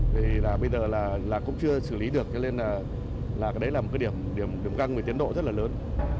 bây giờ là cũng chưa xử lý được cho nên là cái đấy là một cái điểm găng về tiến độ rất là lớn